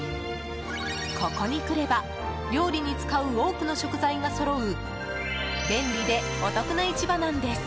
ここに来れば料理に使う多くの食材がそろう便利でお得な市場なんです。